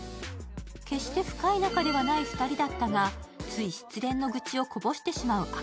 決して深い仲ではない２人だったがつい失恋の愚痴をこぼしてしまう。